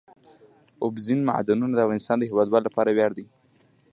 اوبزین معدنونه د افغانستان د هیوادوالو لپاره ویاړ دی.